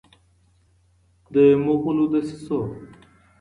د مغولو دسیسو